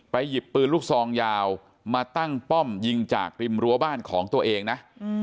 หยิบปืนลูกซองยาวมาตั้งป้อมยิงจากริมรั้วบ้านของตัวเองนะ